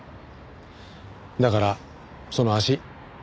だからその足。